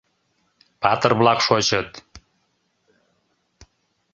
Патыр-влак шочыт…